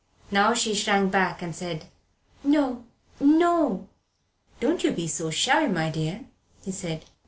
Now she shrank back and said, "No no!" "Don't you be so shy, my dear," he said.